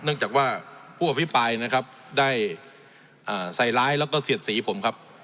จากว่าผู้อภิปรายนะครับได้ใส่ร้ายแล้วก็เสียดสีผมครับ